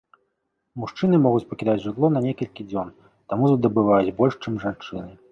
Мужчыны могуць пакідаць жытло на некалькі дзён, таму здабываюць больш, чым жанчыны.